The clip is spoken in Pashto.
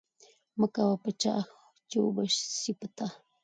مه کوه په چا، چي وبه سي په تا